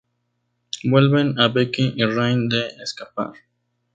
Vuelven a Becky y Rain de escapar.